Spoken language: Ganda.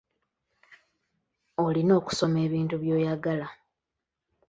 Olina okusoma ebintu by’oyagala.